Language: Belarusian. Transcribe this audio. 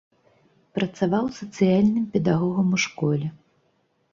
Працаваў сацыяльным педагогам у школе.